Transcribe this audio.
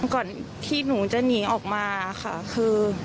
ก่อนที่หนูจะหนีออกมาค่ะคือ